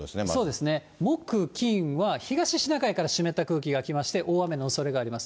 そうですね、木、金は東シナ海から湿った空気が来まして、大雨のおそれがあります。